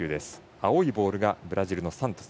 青いボールがブラジルのサントス。